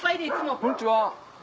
こんにちは。